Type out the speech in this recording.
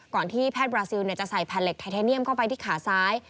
ที่แพทย์บราซิลจะใส่แผ่นเหล็กไทเทเนียมเข้าไปที่ขาซ้าย